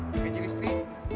bikin jadi istri